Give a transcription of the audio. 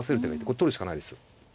これ取るしかないです。